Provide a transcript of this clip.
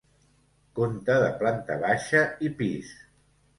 Conta de planta baixa i pis.